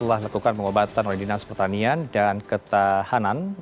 setelah melakukan pengobatan oleh dinas pertanian dan ketahanan